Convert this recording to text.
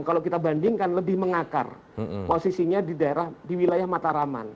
kalau kita bandingkan lebih mengakar posisinya di daerah di wilayah mataraman